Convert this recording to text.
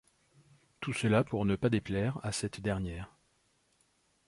Tout cela pour ne pas déplaire à cette dernière.